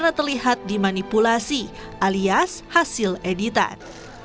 ini bisa terlihat dimanipulasi alias hasil editan